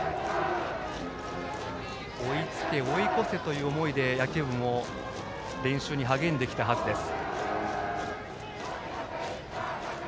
追いつけ、追い越せという思いで野球部も練習に励んできたはずです。